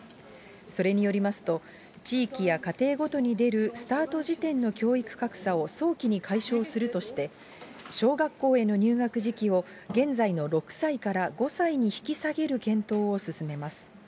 それによりますと、地域や家庭ごとに出るスタート時点の教育格差を早期に解消するとして、小学校への入学時期を、現在の６歳から５歳に引き下げる検討を進めます。